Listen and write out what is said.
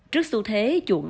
trước xu thế chuộng